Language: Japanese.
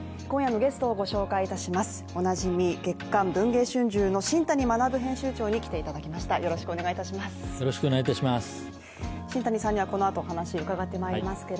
今夜のゲストをご紹介いたします。